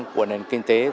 của nền kinh tế